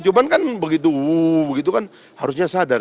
cuma kan begitu wuuu gitu kan harusnya sadar